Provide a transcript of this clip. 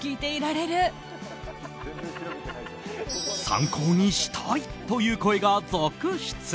参考にしたいという声が続出。